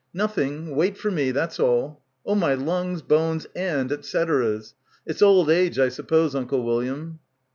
"Nothing. Wait for me. That's all. Oh, my lungs, bones and et ceteras. It's old age, I suppose, Uncle William."